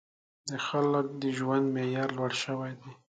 • د خلکو د ژوند معیار لوړ شو.